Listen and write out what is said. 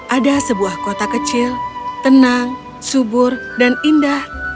ada sebuah kota kecil tenang subur dan indah